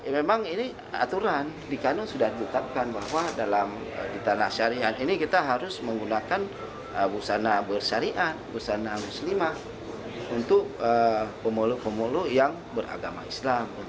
bersyariat bersyariat muslima untuk pemuluh pemuluh yang beragama islam